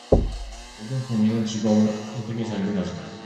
모든 국민은 직업선택의 자유를 가진다.